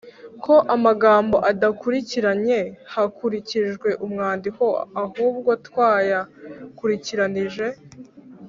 ko amagambo adakurikiranye hakurikijwe umwandiko ahubwo twayakurikiranije